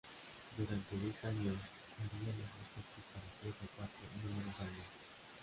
Durante diez años haría los bocetos para tres o cuatro números al mes.